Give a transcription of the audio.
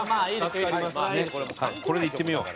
ねっこれでいってみよう。